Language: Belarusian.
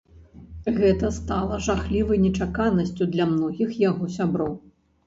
Гэта стала жахлівай нечаканасцю для многіх яго сяброў.